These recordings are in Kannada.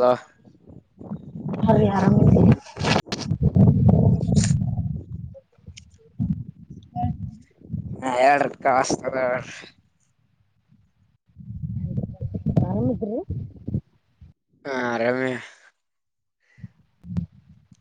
ಹಲೋ ನರಿಗೆ ಆರಾಮಭಿದೆ ಹ ಹ ಎಡು ಕಸ್ತದ ಎ ಸರು ಹಾ ಆರಾಮೇ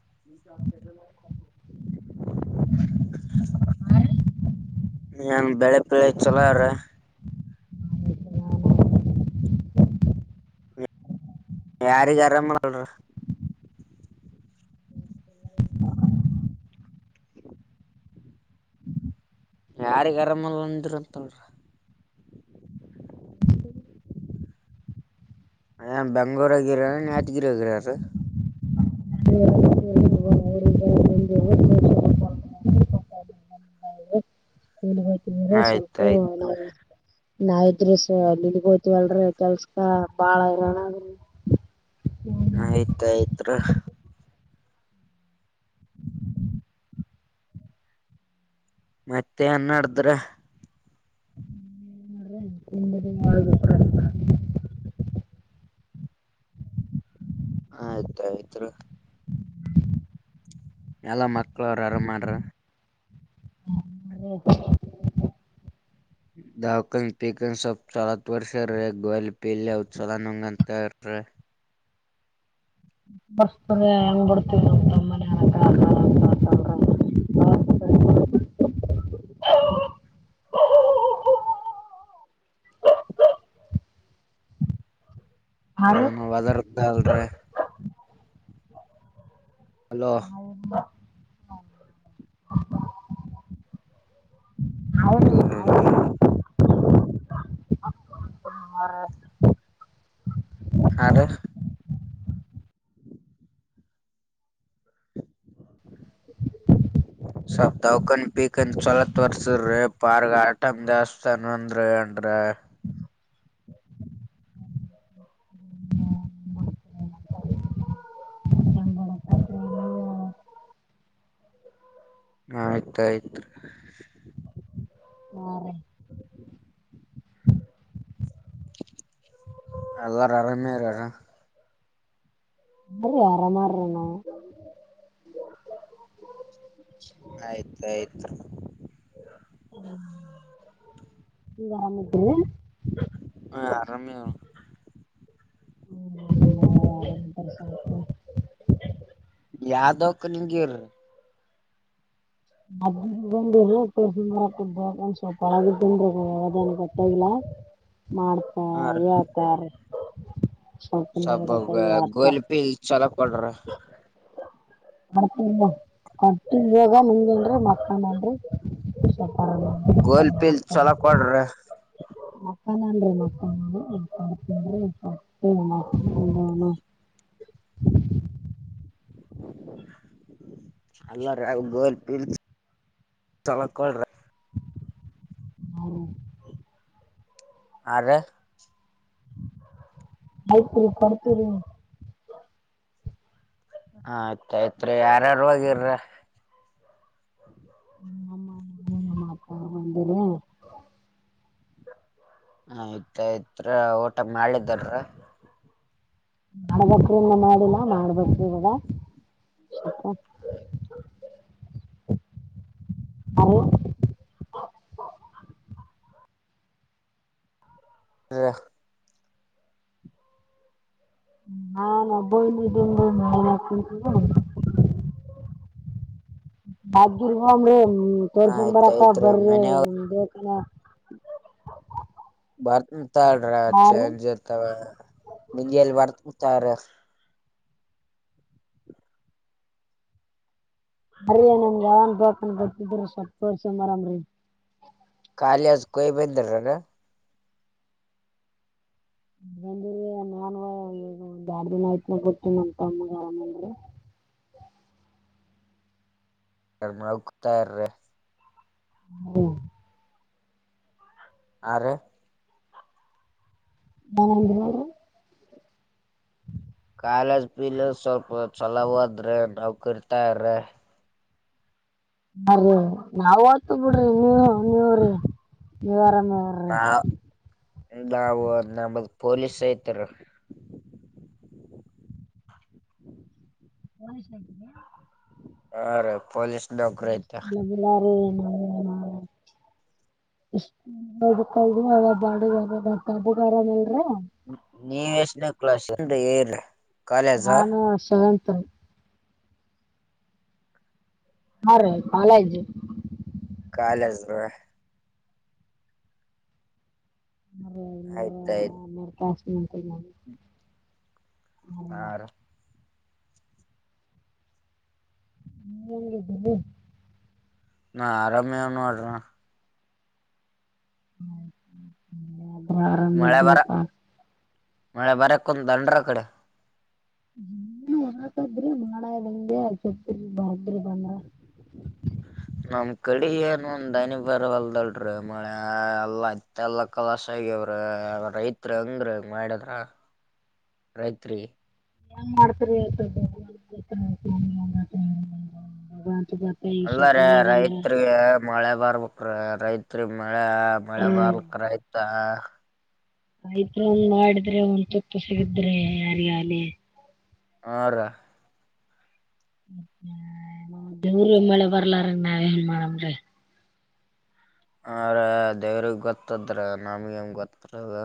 ಹ ನೀನ್ ಬೆಳೆ ಬೆಳೆ ಚಲೋ್ರ ಯಾರ ಜರಮ್ಮಳ್ರ ಹ ಯಾರಿಗ ಆರಾಮಲ್ಲಂದ್ರ ಅಂತಳ್ರ ಏ ಬೆಂಗಳೂರುಗಿರಾರ ಯನ್ಯಟಗಿರಿ ಹಗರಾರ ತಿಯ್ತ್ರೆ ಸ್ವಲ್ಪ ಆಯ್ತಾಯ್ತ್ ಅ ನಾವಿದ್ರೀ ಸಲ್ಲಿಲ್ಲಿಗ ಹೋ್ತೀವಲ್ರಿೀ ಕೆಲ್ಸಕ ಬಾಳಣ ಆಯ್ತಾಯ್ತ್ ಮತ್ತೆ ನ್ಡ್ದ್ರ [unintelligible] [inaudible] ಆ ಆಯ್ತ ಆಯ್ತ್ [unintelligible] ಎಲ್ಲ ಮಕ್ಕಳ ಅವರು ಅರಮನ್್ರ [unintelligible] ಹ್ಮ ದಾಕಂಗ ಪಿಕನ್ ಸಪ್ ಚಲತ್ ವರ್ಷ ರೇ ಗ್ವಲ್ ಪಿಲ್ಲ ಉತ್ಸಲಾನಂಗ ಅಂತ ಹ ಬರ್ತದೆ ಹೆಂಗ್ ಬಿಡ್ತೀವಿ ನಮ ನಮ್ಮ್ ಮನೆಕ [unintelligible] [inaudible] [inaudible] ಏನು ವದರ್ತ ಅಲ್ರರಿ ಹಲೋ. ದೂರ [unintelligible] ಹಾಂ ಕಾರು [inaudible] [inaudible] ಸ್ವಲ್ಪ ದವಕನಿ ಪಿಕಾನಿ ಚೋಲಾ ರಿ ಪಾರ್ಗ ಆಟಮ ಜಾಸ್ತಿ ಆನಂದರ ಏ [unintelligible] ರಿ ರೀ ಆಯ್ತಾಯ್ತ್ ರಿ ರೀ ಎಲ್ಲಾರು ಅರಾಮರಿರಾ [unintelligible] ಆರಾಮ ಮಾರಣ್ಣ ಆಯ್ತ ಆಯ್ತ ನೀವ್ ಆರಾಮಿದ್ರಿ ಹಾ ಆರಾಮವಿ ಅಮ್ಮ ಯಾವ ದವಕಾನಿಗ ಇರಾ [inaudible] [unintelligible] ಮಾಡಪ ಹಾ ರೀ ಹೇಳ್ತಾರೆ ಸ್ವಲ್ಪ ಹೇಳ್ತಾ ಗೋಲಿಪಿಲಿ ಚೋಲಾ ಕೊಡ್ರರಿ [inaudible] [unintelligible] [inaudible] ಮಕಂದನ್ ಗೋಲ್ ಪೀಲ್ ಚೊಲೋ ಕೊಡ್ರಿ ರಿ ಮಕಂದನ್ [inaudible] ಹ್ಮ ಹ [unintelligible] [inaudible] ಅಲ್ಲರಿ ಗೋಲಿಪಿಲಿ [unintelligible] [inaudible] ಆ ರಿ [unintelligible] ಆ ಆಯ್ತ ಆಯ್ತ್ ರಿ ಯಾರಾರ ಹೋಗರಿ ನಮ್ಮ ಅಮ್ಮ ಹ ಅಪ್ಪಾ ಬಂದವೀ ಹ ಆಯ್ತ್ ಆಯ್ತಾ ರಿ ಊಟ ಮಾಡಿದರಿ ಮಾಡ್ಬೇಕ್ರಿ ಇನ್ನ ಮಾಡಿಲ್ಲಾ ಮಾಡ್ಬೇಕ್ರಿ ಇವಾಗ ಹೌದ ರಿ [inaudible] [inaudible] ನಾನು ಒಬ್ಬವನೇ ಇದೀನಿ ರಿ [unintelligible] ಯಾದಗಿರಿ ಗೊಂಬ್ರಿ ನಿಮ್ಮ ತೋರಿಸ ಎಂದು ಬರಕ ಆಯ್ತಾಯ್ತ್ರಿ ಬರಿ ಮನ್ಯಾಗ ದಾವಾಕನೇಕ [unintelligible] ಬರ್ತನೀ ತಡೀರಿ ಹಾರಿ ಚೇಂಜ್ ಇರತವ ಮುಂಜಾಲೆ ತಗರಿ [unintelligible] ಬರಿ ನನ್ಗ ಯಾವನ್ ದವಕನಿ ಗೋತ್ತಿದ್ರ ಸ್ವಲ್ಪ ತೋರ್ಸ ಎಂದ ಬರಮಮ್ರಿ ಕಾಲೇಜಿಗ್ ಹೋಗಿ ಬಂದ್ರೇನು. [inaudible] ಈಗ ಒಂದ್ ಎರಡ ದಿನ ಐತಿ ಬಿಟ್ಟ ನಮ್ಮ ತಮ್ಮಗ ಆರಾಮ ಇಲ್ಲರಿ ನೌಕರಿ ತೊಗರಿ ಊ ಹಾ ರಿ [inaudible] ಕಾಲೇಜ್ ಫ್ರಿಲೆ ಸ್ವಲ್ಪ ಚಲವುದ್ರೆ ನವಾಕರಿ ತೊಗರಿ ಹ ರೀ ನಾವ್ ಹೊತ್ತಿವ ಬಿಡ್ರಿ ನೀವು ನೀವ್ರರಿ ನೀವ ಆರಾಮ. ನಾ [unintelligible] ನಾವು ನಮದು ಪೊಲೀಸ್ ಐತಾರಿ. ಪೊಲೀಸ್ ಆಕಿದಯ ಹ ರೀ ಪೊಲಿಸ್ ನೌಕ್ರಿ ಅಯ್ತೆ. ಹ್ಮ ಹ. [unintelligible] ನೀ ಎಷ್ಟ್ನೇ ಕ್ಲಾಸ್. [unintelligible] ನಾನು ಸೇವೆಂತ್. ಹಾ [unintelligible] ಕಾಲಜು. ಕಾಲಜರು. ಅರೆ ಆಯ್ತಾಯ್ತು. ಹ. ಹಾ ರ. [unintelligible] ನಾ ಆರಾಮೇನ್ ನೋಡ್ರ. ಹರಮ್ ಮಳೆ ಬರ ಇದಿನಪ್ಪಾ. ಮಳೆ ಬರಕನ್ ಬಂದ್ರಕಡೆ. ಹ್ಮ್ಮ್ ಹಾಕದ್ರಿ ಮಾಡಂಗ್ ಬಂದ್ರೆ ಚತ್ತರ್ ಬಾಗಿ. ಇ್ರ ಬಂದ. ಒಂದ್ ಹನಿ ಬರವಲ್ದಲ್ರಿ ಮಳೆ ಎಲ್ಲ ಇತ್ ಎಲ್ಲ ಕಲಾಶ ಆಗ್ಯವ್ರೀ ರೈತ್. ತ್ರ ಹೆಂಗ್ರಿ ಇಂಗ್ ಮಾಡಿದ್ರ ರೈತ್ರಿ. ಹೆಂಗ ಮಾಡ್ತರಿ. [unintelligible] ಅಲ್ಲಾರೆ ರೈತ್ರಿಗೆ ಮಳೆ ಬರ್ಬ. ಕ್ರಿ ರೈತ್ರಿ ಮಳೆ ಮಳೆ ಬರ್ಲಕ್ ರೈತ. ರೈತ್ರ ಒಂದ್ ಮಾಡಿದ್ರೆ ಒಂದ್ ತುಪ್ಪ ಸಿಗಿದ್ರೆ ಯಾರಿಗ ಅಲಿ. ಹರ. ದೇವರ್ ಮಳೆ ಬರ್ಲಾರ ನಾವ್ ಏನ್ ಮಾಡಂರಿ. ಹಾ ರೀ ದೇವ್ರಿಗೆ ಗೊತ್ತದ್ರಿ ನಮಗ್ ಏನ್ ಗೀತಾಕತ್ರಿ.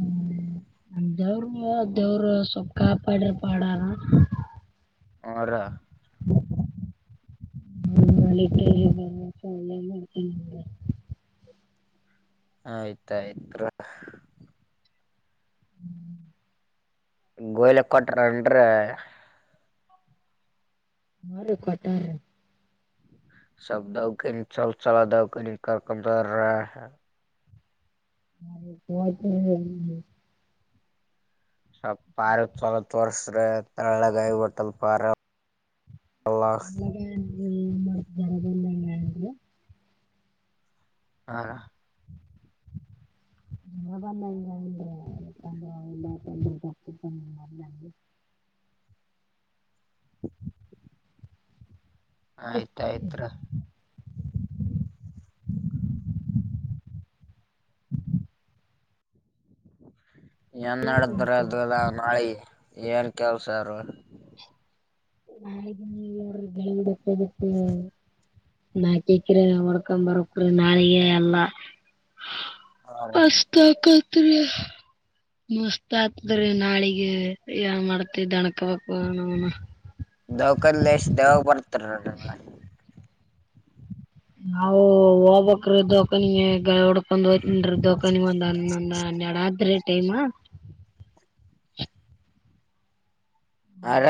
ಹ್ಮ ದವರು ದೇವ್ರ ಸೊ ಕಾಪಾಡ ಪಾಡಾರ. ಹರ. [inaudible] ಹಾ ಮಾಳಿ ಚಳಿ. [unintelligible] ಆಯ್ತ್ ಆಯಿತ್ರು. ಹ್ಮ್. ಗೋಯ್ಲಕ್ಕೋಟ್ ಏನ್ರಿ. ಹಾ ರೀ ಕೊಟ್ಟಾರೀ. [unintelligible] [unintelligible] ಸಪ್ ಪಾರ ಚಲತ್ ತೋರುಸರಿ ತರಳಗಾಯ ಬತಲ್ ಪಾರ. ಅಲ್ಲ ಸ್. [inaudible] ಹಾ. ನೀಲ್ಲ ಬಲ್ಲ. [inaudible] ಆಯ್ತಾಯಯ್ತ್ರ. ಏನ್ ನಡದ್ರ ಅದುಲ್ಲ ನಾಳೆ ಏನ್ ಕೆಲ್ಸಾರು. ನ ನೀರು ಬೆಳಿಲಿಲ್ದಾವಕೆ. ನಾಕ್ ಎಕ್ರಿ ಹೊಡ್ಕೊ ಬರಕ್ರಿ ನಾಳಿಗೆ ಎಲ್ಲಾ. ಮಸ್ತಕಾತ್ರಿ. ಮಸ್ತ್ ಅಕದ್ರಿ ನಾಳಿಗೆ ಏನ್ ಮಾಡ್ತಿ. [unintelligible] ದವಕದಲೆಷ್ಟ್ ದವಾಗ ಬರ್ತಾದ್ರಿ ನಿಮ್ಗ. ನಾವು ಹೋಗಬಕ್ರ ದವಕನಿಗೆ ಗಳೇ ಹೊದ್. ಒಂದ್ ಹೋಕಂನ್ರೀ ದವ್ಕಾನಿಗ್ ಒಂದ್ ಹನ್ನೊಂದ್ ಹನ್ನೆರಡ್ ಆದ್ರಿ ಟೈಮ. ಆರ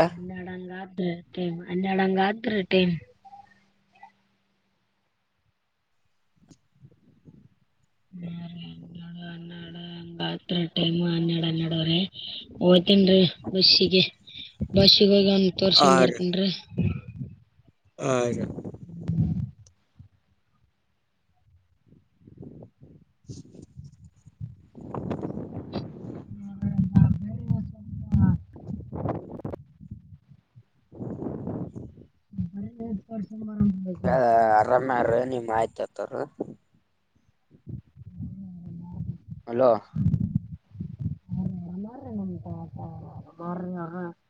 ಹ ಟೈಮ್ ಹನ್ನೆಡು ಹಂಗತ್ ರೀ ಟೈಮ್ ಹಾ ರೀ ಹನ್ನೆರಡು ಹನ್ನೆಡು್ಹತ್ರ ಟೈಮ ಹನ್ನೆರ ಹನ್ನೆಡುವ್ರೀ ಹಓ್ತನ್ರೀ ಬಸ್ಸಿಗೆ ಬಸ್ಸಿಗೆ ಹೋಗಿ ಒಗಿ ತೋರಿಸಿಕೊಡು ಅ ಬರ್ತನ್ರಿ ಬರೀ ತೋರ್ಸ್ಕೊಂಡ್ ಅ ಆರಾಮ್ಯಾರ ನಿಮ್ ಆಯ್ತ ಆತಾರ ಹ್ಮ ಹಲೋ ಹ್ಮ ಅ್ರ ನಮ್ಮ್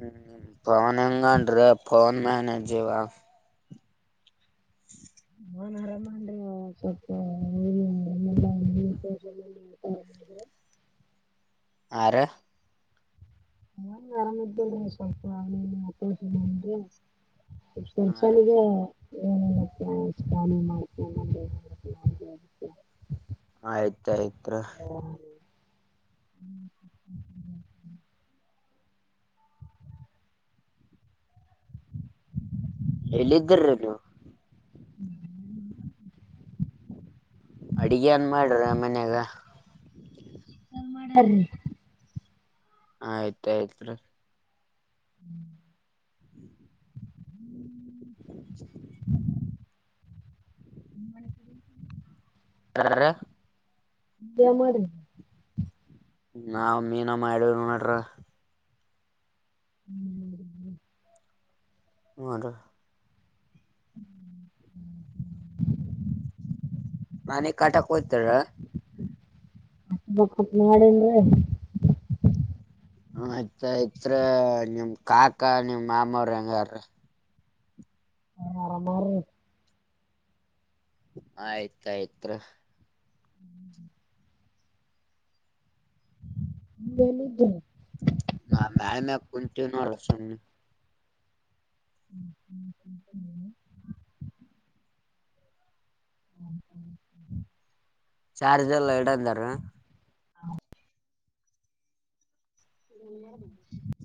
ಹ್ಮ ಪನ್ ಹೆಂಗೊಂಡ ರೀ ಪಫೋನ್ ಮ್ಯನೆೇಜವಾ ನನ್ ಆರಾಮ ಅನ್ಸ್ವಲ್ಪ ಇ ಆ ರೀ ಹ ಆರಾಮತಡ ಸ್ವಲ್ಪ ಅವನ ನಕ ಒಂದಸಲಿಗೆ ಹ ರೀ ಏಲ್ಲ ಸ್ನ ಮಾಡ್ತ ಆಯ್ತ ಆಯ್ತ ಹ್ಮ ಎಲ್ಲಿದ್ದರ ನೀವು ಹ್ಮ ಅಡಿಗೆ ಅನ್ ಮಾಡ್ರ ಮನ್ಯಾಗ ಹ ಆಯ್ತ ಆಯ್ತ್ ಹ್ಮ್ ಮಾಡ ಬರರ ಬ ಮಾಡಾರ ನಾವು ಮೀನ ಮಾಡೀವಿ ನೋಡ್ರಿ ಹ್ಮ್ ನ ಅನ ಕಾಟಕ್ ಹೋಯ್ತಾರ ಮಾಡ ಹ ಆಯ್ತ ಆಯ್ತ್ ನಿಮ್ ಕಾಕಾ ನಿಮ್ ಮಾಮವ್ರ ಹೆಂಗಾರ ಹಾ ಆರಾಮ ರೀ ಆಯ್ತ ಆಯ್ತ್ ರೀ ಎಲ್ಲಿದ್ರಿ ನಮ ಮ್ಯಳಿ ಮ್ಯಾಗ ಕುಂತಿ ನೋಡ ಸುಮ್ಮ ಹ್ಮ್ ಹ್ಮ್ ಹ್ಮ್ ಹ್ಮ ಹ್ಮ್ ಹ್ಮ ಹ ಚಾರ್ಜ್ ಎಲ್ಲ ಎರಡಂದಾರ ಹ್ಮ್